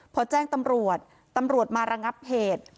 พอแจ้งตำรวจตำรวจมาระงับเหตุ